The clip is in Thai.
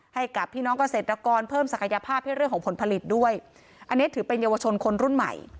ให้กับพี่น้องเกษตรกรเพิ่มศักยภาพให้เรื่องของผลผลิตด้วยอันนี้ถือเป็นเยาวชนคนรุ่นใหม่